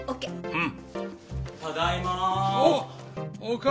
うん。